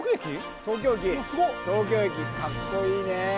東京駅かっこいいね。